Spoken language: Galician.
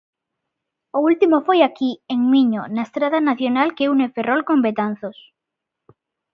O último foi aquí, en Miño, na estrada nacional que une Ferrol con Betanzos.